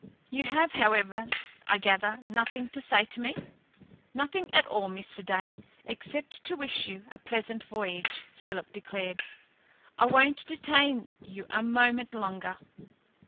You have, however, I gather, nothing to say to me?" "Nothing at all, Mr. Dane, except to wish you a pleasant voyage," Philip declared. "I won't detain you a moment longer.